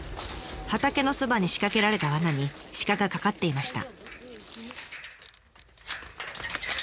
畑のそばに仕掛けられた罠に鹿が掛かっていました。